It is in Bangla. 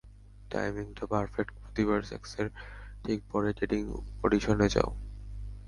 টাইমিংটা পারফেক্ট প্রতিবার সেক্সের ঠিক পরেই ডেটিং অডিশনে যাও।